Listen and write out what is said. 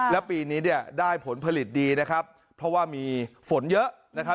แล้วปีนี้ได้ผลผลิตดีนะครับเพราะว่ามีฝนเยอะ